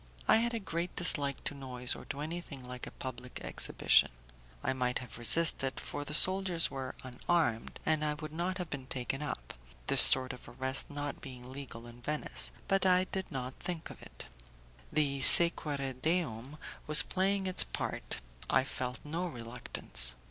I had a great dislike to noise or to anything like a public exhibition. I might have resisted, for the soldiers were unarmed, and I would not have been taken up, this sort of arrest not being legal in Venice, but I did not think of it. The 'sequere deum' was playing its part; I felt no reluctance.